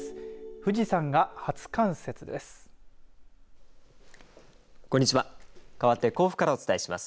富士山が初冠雪です。